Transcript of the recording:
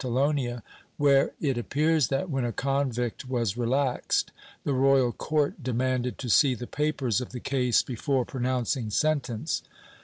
XVI] UNNATURAL CRIME 367 appears that, when a convict was relaxed, the royal court de manded to see the papers of the case before pronouncing sentence.